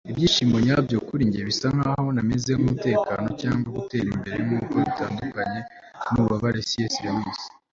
ibyishimo nyabyo kuri njye bisa nkaho ntameze nkumutekano cyangwa gutera imbere nkuko bitandukanye nububabare - c s lewis